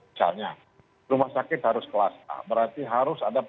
misalnya rumah sakit harus kelas dan berubah di rumah sakit harus kelas